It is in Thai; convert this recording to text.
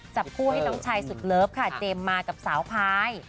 จับคู่ให้น้องชายสุดเลิฟค่ะเจมส์มากับสาวพาย